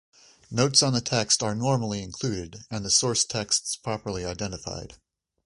Notes on the text are normally included and the source texts properly identified.